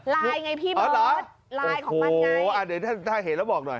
เออลายไงพี่เบิร์ดลายของมันไงโอ้โหอ่าเดี๋ยวถ้าเห็นแล้วบอกหน่อย